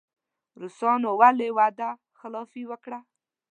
روسانو ولې وعده خلافي وکړه.